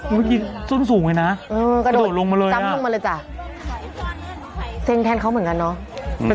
เมื่อกี้จุ้นสูงไงน่ะอื้อกระโดดลงมาเลยอ่ะจำลงมาเลยจ่ะ